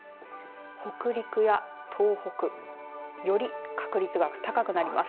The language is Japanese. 北陸や東北より確率が高くなります。